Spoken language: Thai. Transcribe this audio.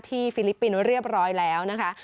ฟิลิปปินส์เรียบร้อยแล้วนะคะ